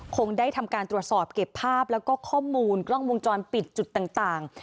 คงได้ทำการตรวจสอบเก็บภาพแล้วก็ข้อมูลกล้องวงจรปิดจุดต่าง